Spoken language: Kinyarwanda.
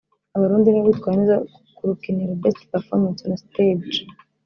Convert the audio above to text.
Abarundi nibo bitwaye neza kurukiniro (Best performance on stage)